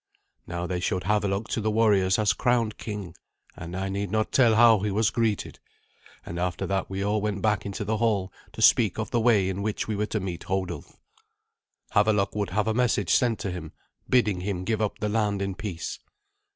Now they showed Havelok to the warriors as crowned king, and I need not tell how he was greeted. And after that we all went back into the hall to speak of the way in which we were to meet Hodulf. Havelok would have a message sent to him, bidding him give up the land in peace.